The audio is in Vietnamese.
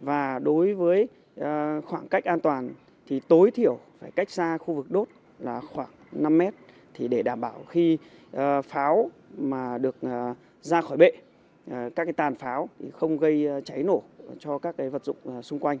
và đối với khoảng cách an toàn thì tối thiểu phải cách xa khu vực đốt là khoảng năm mét để đảm bảo khi pháo mà được ra khỏi bệ các tàn pháo không gây cháy nổ cho các vật dụng xung quanh